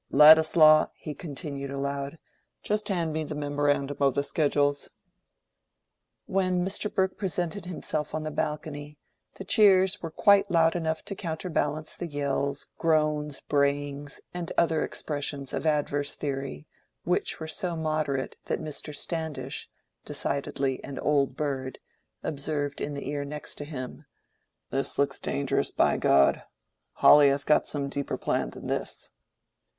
—Ladislaw," he continued, aloud, "just hand me the memorandum of the schedules." When Mr. Brooke presented himself on the balcony, the cheers were quite loud enough to counterbalance the yells, groans, brayings, and other expressions of adverse theory, which were so moderate that Mr. Standish (decidedly an old bird) observed in the ear next to him, "This looks dangerous, by God! Hawley has got some deeper plan than this."